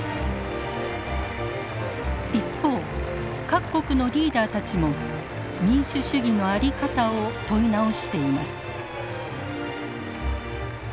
一方各国のリーダーたちも民主主義の在り方を問い直しています。